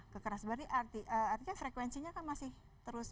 kekerasan berarti artinya frekuensinya kan masih terus